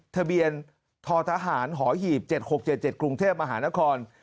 ทะเบียนททหารหอหีบ๗๖๗๗กรุงเทพมหานคร